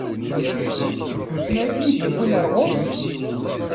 D tussna i kem-id-yewwin ar ɣur-s?